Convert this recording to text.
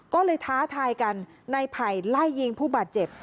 ก็เลยท้าทายกันในไผ่ไล่ยิงผู้บาดเจ็บ